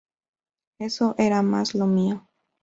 Eso era más lo mío.